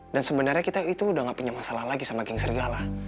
dan sebenarnya kita itu udah gak punya masalah lagi sama geng sergala